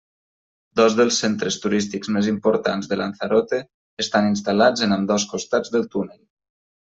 Dos dels centres turístics més importants de Lanzarote estan instal·lats en ambdós costats del túnel.